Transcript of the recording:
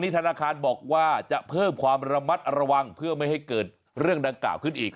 ธนาคารบอกว่าจะเพิ่มความระมัดระวังเพื่อไม่ให้เกิดเรื่องดังกล่าวขึ้นอีก